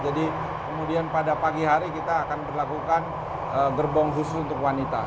jadi kemudian pada pagi hari kita akan berlakukan gerbong khusus untuk wanita